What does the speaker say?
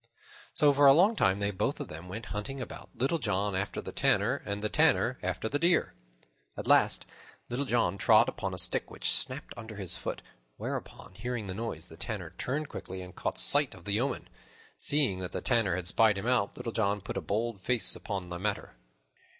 So for a long time they both of them went hunting about, Little John after the Tanner, and the Tanner after the deer. At last Little John trod upon a stick, which snapped under his foot, whereupon, hearing the noise, the Tanner turned quickly and caught sight of the yeoman. Seeing that the Tanner had spied him out, Little John put a bold face upon the matter.